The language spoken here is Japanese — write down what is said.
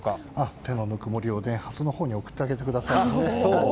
手の温もりをハスのほうに送ってあげてください。